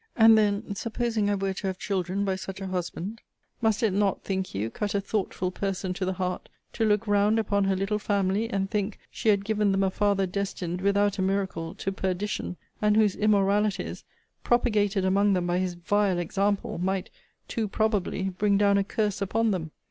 And then, supposing I were to have children by such a husband, must it not, think you, cut a thoughtful person to the heart; to look round upon her little family, and think she had given them a father destined, without a miracle, to perdition; and whose immoralities, propagated among them by his vile example, might, too probably, bring down a curse upon them?